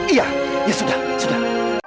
iya ya sudah sudah